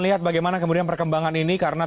lihat bagaimana kemudian perkembangan ini karena